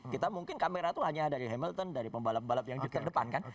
kita mungkin kamera itu hanya dari hamilton dari pembalap pembalap yang terdepan kan